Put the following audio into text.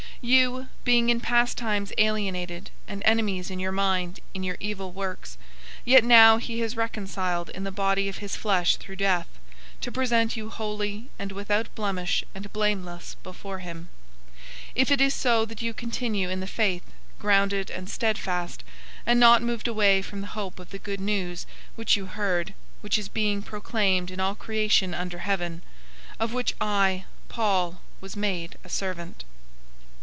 001:021 You, being in past times alienated and enemies in your mind in your evil works, 001:022 yet now he has reconciled in the body of his flesh through death, to present you holy and without blemish and blameless before him, 001:023 if it is so that you continue in the faith, grounded and steadfast, and not moved away from the hope of the Good News which you heard, which is being proclaimed in all creation under heaven; of which I, Paul, was made a servant.